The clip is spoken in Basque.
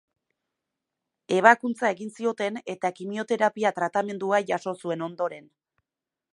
Ebakuntza egin zioten eta kimioterapia tratamendua jaso zuen ondoren.